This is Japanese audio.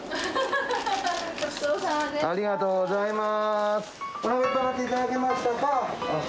ありがとうございます。